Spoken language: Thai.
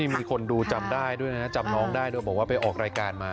มีคนดูจำได้ด้วยนะจำน้องได้โดยบอกว่าไปออกรายการมา